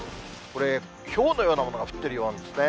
これ、ひょうのようなものが降ってるようなんですね。